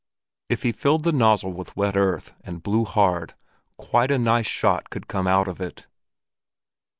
If he filled the nozzle with wet earth, and blew hard, quite a nice shot could come out of it.